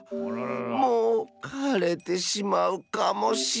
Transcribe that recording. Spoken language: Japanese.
もうかれてしまうかもしれん。